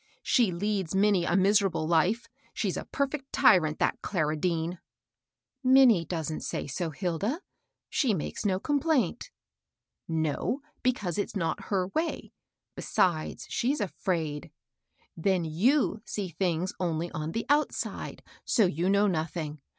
She leads Minnie a miserable life, — she's a perfect tyrant, that Clara Dean 1 "" Minnie doesnH say so, Hilda ; she makes no complaint." "No, because it's not her way; besides she's afraid. Then you see things only on the outside ; so you know nothing.